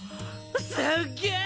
すっげぇ！